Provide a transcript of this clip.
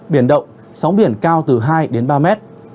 biển động sóng biển cao từ hai đến ba mét